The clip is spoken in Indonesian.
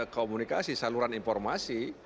komunikasi saluran informasi